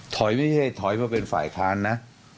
ไม่ใช่ถอยมาเป็นฝ่ายค้านนะ